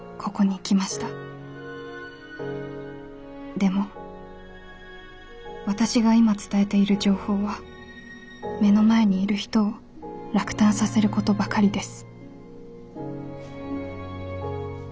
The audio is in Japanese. でも私が今伝えている情報は目の前にいる人を落胆させることばかりです」。